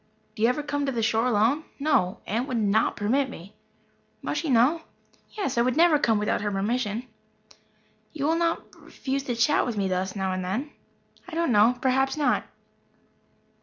"Do you ever come to the shore alone?" "No. Aunt would not permit me." "Must she know?" "Yes. I would not come without her permission." "You will not refuse to chat with me thus now and then?" "I don't know. Perhaps not."